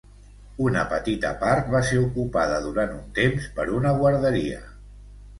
Una petita part va ser ocupada durant un temps per una guarderia.